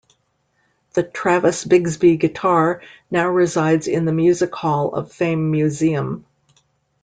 The Travis-Bigsby guitar now resides in the Music Hall of Fame Museum.